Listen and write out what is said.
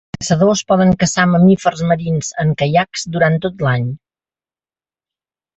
Els caçadors poden caçar mamífers marins en caiacs durant tot l'any.